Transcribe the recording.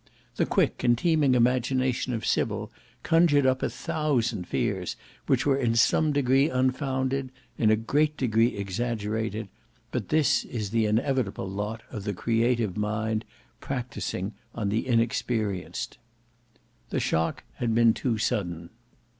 The quick and teeming imagination of Sybil conjured up a thousand fears which were in some degree unfounded, in a great degree exaggerated, but this is the inevitable lot of the creative mind practising on the inexperienced. The shock too had been sudden.